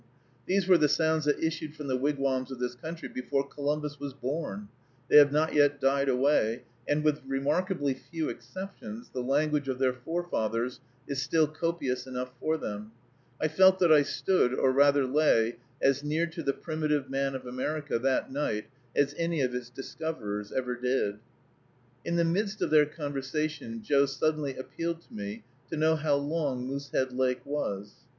These were the sounds that issued from the wigwams of this country before Columbus was born; they have not yet died away; and, with remarkably few exceptions, the language of their forefathers is still copious enough for them. I felt that I stood, or rather lay, as near to the primitive man of America, that night, as any of its discoverers ever did. In the midst of their conversation, Joe suddenly appealed to me to know how long Moosehead Lake was.